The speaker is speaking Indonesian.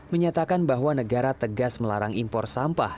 menyatakan bahwa negara tegas melarang impor sampah